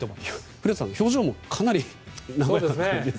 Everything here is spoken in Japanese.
古田さん、表情もかなり和やかですよね。